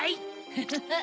フフフ！